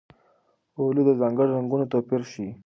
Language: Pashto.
اولو د ځانګړو رنګونو توپیر ښيي.